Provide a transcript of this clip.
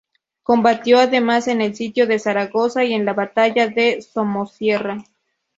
Combatió, además, en el sitio de Zaragoza y en la batalla de Somosierra.